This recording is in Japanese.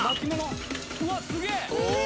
うわすげえ！